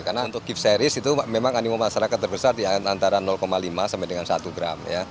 karena untuk gift series itu memang animum masyarakat terbesar antara lima sampai dengan satu gram